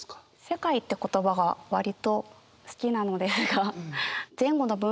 「世界」って言葉が割と好きなのですが。